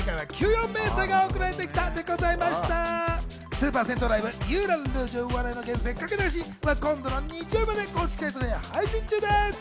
スーパー銭湯ライブ、『ユーラン・ルージュ笑いの源泉かけ流し！』は今度の日曜日まで公式サイトで配信中です。